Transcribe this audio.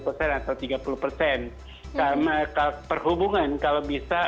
karena perhubungan kalau bisa